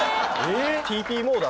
ＴＰモード